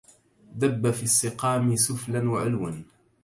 دب في السقام سفلاً وعلوا